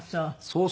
そう。